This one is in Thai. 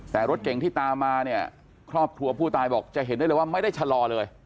แต่รถเก่งที่ตามมาเนี่ยครอบครัวผู้ตายบอกจะเห็นได้เลยว่าไม่ได้ชะลอเลย